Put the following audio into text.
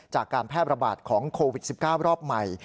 จากการแพร่ระบาดของโควิด๑๙รอบใหม่